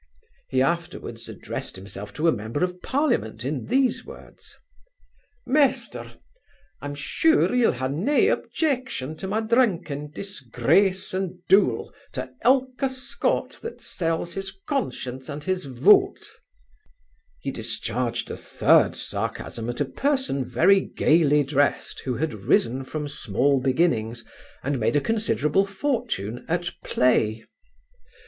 He afterwards addressed himself to a member of parliament in these words: 'Meester I'm sure ye'll ha' nae objection to my drinking, disgrace and dule to ilka Scot, that sells his conscience and his vote.' He discharged a third sarcasm at a person very gaily dressed, who had risen from small beginnings, and made a considerable fortune at play.